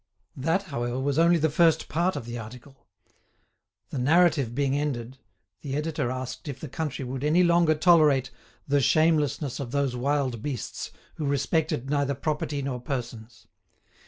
That, however, was only the first part of the article; the narrative being ended, the editor asked if the country would any longer tolerate "the shamelessness of those wild beasts, who respected neither property nor persons."